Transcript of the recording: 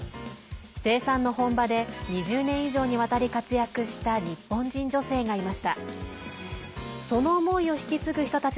生産の本場で２０年以上にわたり活躍した日本人女性がいました。